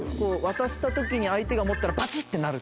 渡した時に相手が持ったらバチ！ってなる。